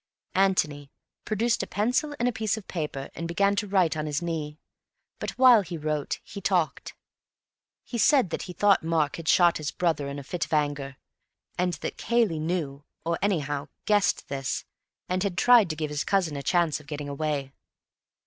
Antony produced a pencil and a piece of paper and began to write on his knee, but while he wrote, he talked. He said that he thought Mark had shot his brother in a fit of anger, and that Cayley knew, or anyhow guessed, this and had tried to give his cousin a chance of getting away.